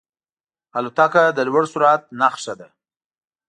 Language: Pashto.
الوتکه د لوړ سرعت نښه ده.